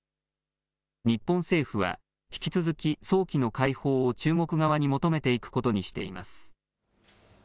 日本政府は、引き続き早期の解放を中国側に求めていくことにしています。